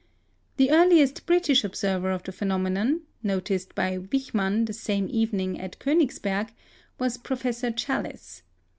The earliest British observer of the phenomenon (noticed by Wichmann the same evening at Königsberg) was Professor Challis.